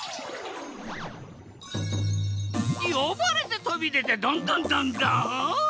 よばれてとびでてドンドンドンドン！